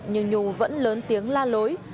nhưng nhu vẫn lớn tiếng la lối